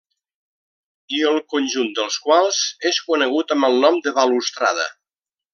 I el conjunt dels quals és conegut amb el nom de balustrada.